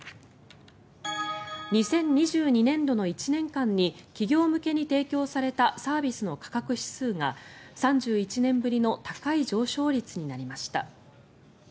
２０２２年度の１年間に企業向けに提供されたサービスの価格指数が３１年ぶりの高い上昇率になりました。